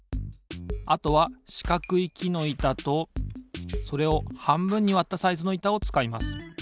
あとはしかくいきのいたとそれをはんぶんにわったサイズのいたをつかいます。